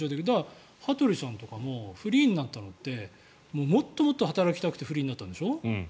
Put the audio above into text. だから、羽鳥さんとかもフリーになったのってもっともっと働きたくてフリーになったんでしょ？